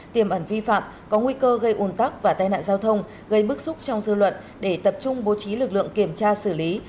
tiềm ẩn vi phạm có nguy cơ gây ồn tắc và tai nạn giao thông gây bức xúc trong dư luận để tập trung bố trí lực lượng kiểm tra xử lý